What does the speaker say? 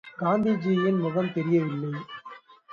காந்திஜியின் முகம் தெரியவில்லை.